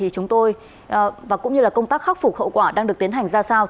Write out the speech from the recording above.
chúng tôi và cũng như công tác khắc phục hậu quả đang được tiến hành ra sao